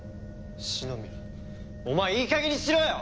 四ノ宮お前いい加減にしろよ！